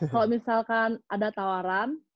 kalau misalkan ada tawaran